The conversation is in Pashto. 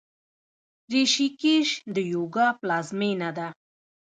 ریشیکیش د یوګا پلازمینه ده.